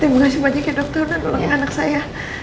terima kasih banyak ya dokter udah tolongin anak saya